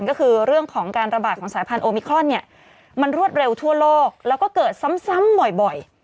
ก็คือเรื่องของการระบาดของสายพันธุมิครอนเนี่ยมันรวดเร็วทั่วโลกแล้วก็เกิดซ้ำบ่อย